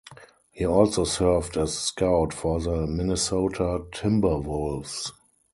He also served as scout for the Minnesota Timberwolves.